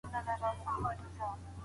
ایا بهرني سوداګر وچ انار صادروي؟